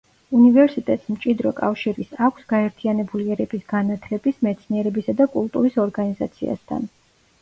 უნივერსიტეტს მჭიდრო კავშირის აქვს გაერთიანებული ერების განათლების, მეცნიერებისა და კულტურის ორგანიზაციასთან.